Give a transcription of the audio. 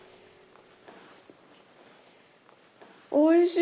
おいしい！